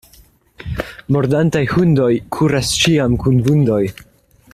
Mordantaj hundoj kuras ĉiam kun vundoj.